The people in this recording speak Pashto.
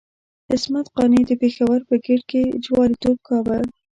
عصمت قانع د پېښور په ګېټ کې جواليتوب کاوه.